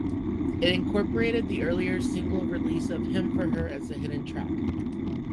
It incorporated the earlier single release of "Hymn for Her" as a hidden track.